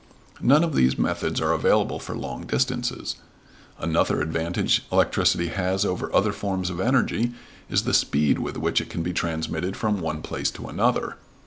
None of these methods are available for long distances. Another advantage electricity has over other forms of energy is the speed with which it can be transmitted from one place to another.